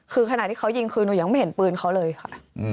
คือขณะที่เขายิงคือหนูยังไม่เห็นปืนเขาเลยค่ะ